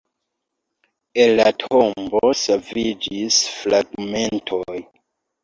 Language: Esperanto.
El la Tombo saviĝis fragmentoj.